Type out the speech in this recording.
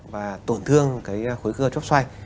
và tổn thương cái khối cơ chóp xoay